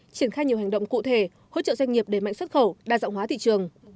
triển khai nhiều hành động cụ thể hỗ trợ doanh nghiệp để mạnh xuất khẩu đa dạng hóa thị trường